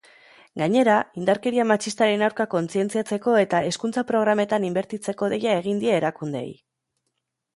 Gainera, indarkeria matxistaren aurka kontzientziatzeko eta hezkuntza-programetan inbertitzeko deia egin die erakundeei.